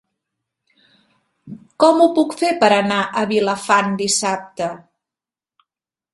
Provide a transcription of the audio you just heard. Com ho puc fer per anar a Vilafant dissabte?